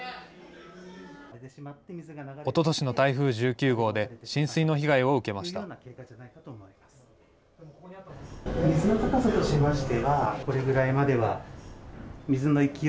おととしの台風１９号で、浸水の被害を受けました。